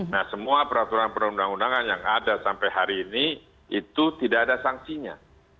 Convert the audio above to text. nah semua peraturan perundang undangan yang ada sampai hari ini itu tidak ada sanksinya